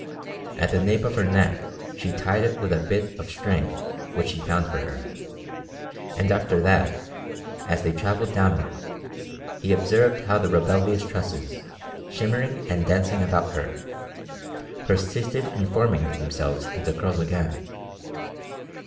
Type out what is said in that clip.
At the nape of her neck she tied it with a bit of string which he found for her, and after that, as they travelled downward, he observed how the rebellious tresses, shimmering and dancing about her, persisted in forming themselves into curls again.